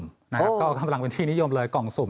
ก็กำลังเป็นที่นิยมเลยกล่องสุ่ม